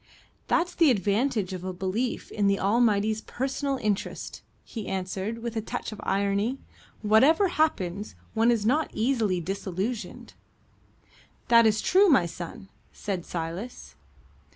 "That's the advantage of a belief in the Almighty's personal interest," he answered, with a touch of irony: "whatever happens, one is not easily disillusioned." "That is true, my son," said Silas.